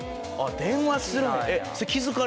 電話するの？